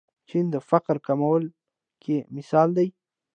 چین د فقر کمولو کې مثال دی.